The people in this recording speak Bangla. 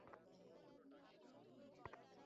লোকটি এগিয়ে এসে নীলুর গায়ে হাত রাখল।